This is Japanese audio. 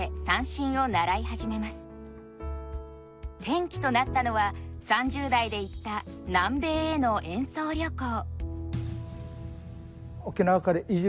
転機となったのは３０代で行った南米への演奏旅行。